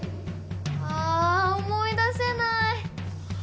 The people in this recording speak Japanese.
あ思い出せない！